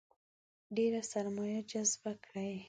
ډېره سرمایه جذبه کړي.